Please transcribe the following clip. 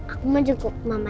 aku mau jengkuk mama